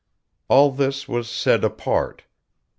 All this was said apart.